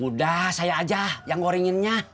udah saya aja yang ngoringinnya